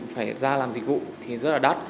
phải ra làm dịch vụ thì rất là đắt